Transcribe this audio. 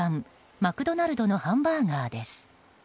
マクドナルドのハンバーガーです。